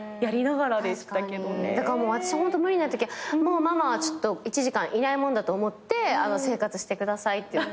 だから私本当無理なときはもうママはちょっと１時間いないもんだと思って生活してくださいって言って。